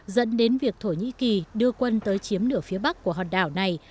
dẫn đến việc thổ nhĩ kỳ đưa quân tới chiếm nửa phía bắc của hòn đảo này